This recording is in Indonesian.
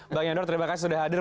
mbak yandor terima kasih sudah hadir